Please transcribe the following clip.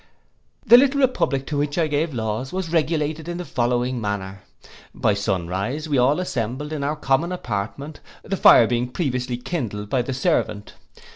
The little republic to which I gave laws, was regulated in the following manner: by sun rise we all assembled in our common apartment; the fire being previously kindled by the servant.